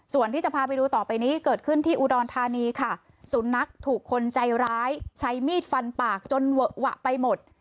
ส่วนที่จะพาไปดูต่อไปนี้เกิดขึ้นที่อุดรธานีค่ะสุนัขถูกคนใจร้ายใช้มีดฟันปากจนเวอะหวะไปหมด